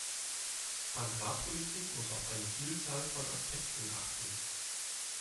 Agrarpolitik muss auf eine Vielzahl von Aspekten achten.